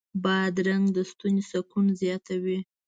بادرنګ د ستوني سکون زیاتوي.